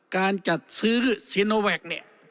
การจัดซื้อศิลป์เนี่ย